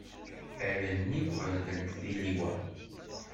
Allen-iw ɣelbent tiliwa.